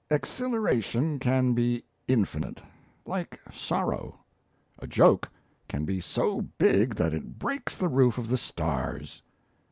"Exhilaration can be infinite, like sorrow; a joke can be so big that it breaks the roof of the stars.